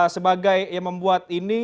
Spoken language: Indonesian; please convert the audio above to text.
sebagai yang membuat ini